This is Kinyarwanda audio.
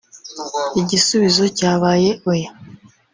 Igisubizo cyabaye Oya